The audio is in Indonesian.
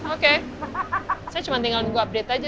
oke saya cuma tinggal nunggu update aja